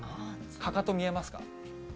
かかと見えますか？